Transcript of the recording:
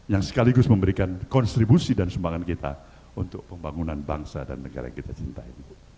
yang sekaligus memberikan kontribusi dan sumbangan kita untuk pembangunan bangsa dan negara yang kita cintai